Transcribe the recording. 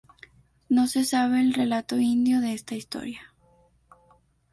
No se sabe el relato indio de esta historia.